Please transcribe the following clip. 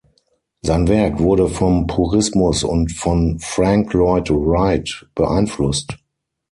Sein Werk wurde vom Purismus und von Frank Lloyd Wright beeinflusst.